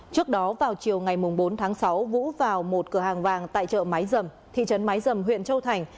trước đó vào chiều ngày bốn tháng sáu vũ vào một cửa hàng vàng tại chợ máy dầm thị trấn mái dầm huyện châu thành